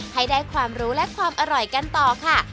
ให้ได้ความรู้และความอร่อยกันต่อค่ะ